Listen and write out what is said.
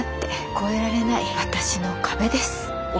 越えられない私の壁です。